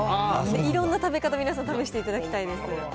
いろんな食べ方、皆さん試していただきたいです。